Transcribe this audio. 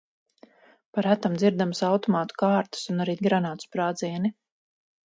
Pa retam dzirdamas automātu kārtas un arī granātu sprādzieni.